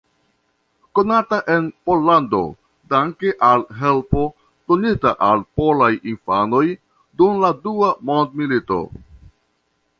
Konata en Pollando danke al helpo donita al polaj infanoj dum la dua mondmilito.